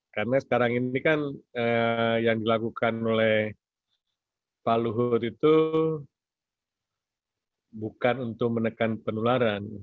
karena sekarang ini kan yang dilakukan oleh pak luhut itu bukan untuk menekan penularan